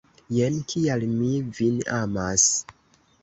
Jen kial mi vin amas!